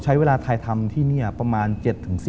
ใช้เวลาถ่ายทำที่นี่ประมาณ๗๑๐